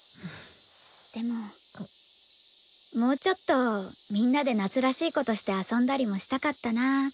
でももうちょっとみんなで夏らしいことして遊んだりもしたかったなって。